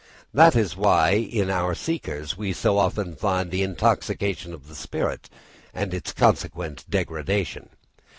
That is why in our seekers we so often find the intoxication of the spirit and its consequent degradation.